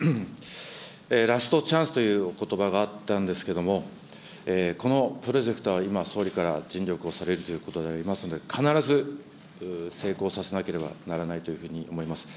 ラストチャンスというおことばがあったんですけども、このプロジェクトは今、総理から尽力をされるということでありますので、必ず成功させなければならないというふうに思います。